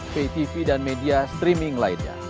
ptv dan media streaming lainnya